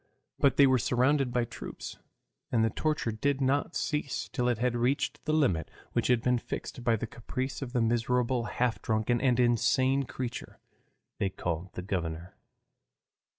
But they were surrounded by troops, and the torture did not cease till it had reached the limit which had been fixed by the caprice of the miserable half drunken and insane creature they called the governor.